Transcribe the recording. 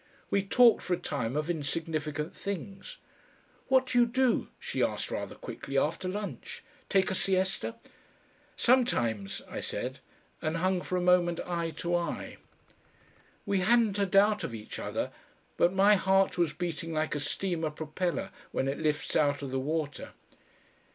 We talked for a time of insignificant things. "What do you do," she asked rather quickly, "after lunch? Take a siesta?" "Sometimes," I said, and hung for a moment eye to eye. We hadn't a doubt of each other, but my heart was beating like a steamer propeller when it lifts out of the water.